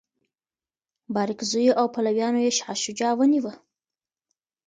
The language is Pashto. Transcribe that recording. بارکزیو او پلویانو یې شاه شجاع ونیوه.